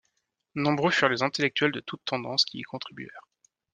Nombreux furent les intellectuels de toutes tendances qui y contribuèrent.